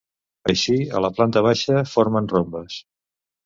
Així, a la planta baixa formen rombes.